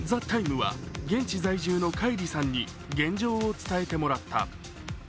「ＴＨＥＴＩＭＥ，」は現地在住のカイリさんに現状を伝えてもらった。